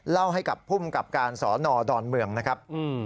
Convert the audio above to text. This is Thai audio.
เล่าให้กับภูมิกับการสอนอดอนเมืองนะครับ